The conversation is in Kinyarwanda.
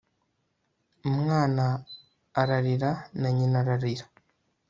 umwana ararira, na nyina ararira